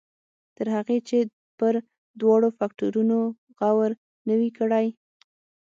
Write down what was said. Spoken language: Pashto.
تر هغې چې پر دواړو فکټورنو غور نه وي کړی.